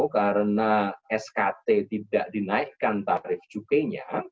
karena skt tidak dinaikkan tarif cukainya